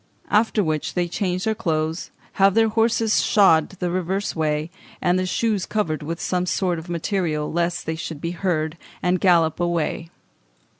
after which they change their clothes, have their horses shod the reverse way, and the shoes covered with some soft material lest they should be heard, and gallop away."